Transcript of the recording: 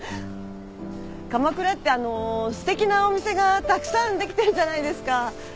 鎌倉ってすてきなお店がたくさんできてるじゃないですか。